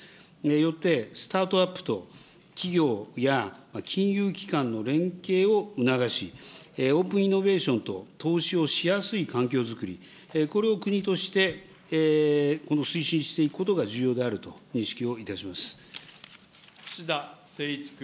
よって、スタートアップと企業や金融機関の連携を促し、オープンイノベーションと投資をしやすい環境づくり、これを国としてこの推進していくことが重要であると認識をいたし串田誠一君。